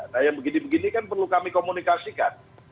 nah yang begini begini kan perlu kami komunikasikan